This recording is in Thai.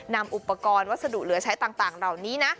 นำอุปกรณ์วัสดุเหลือใช้ต่างเหล่านี้นะ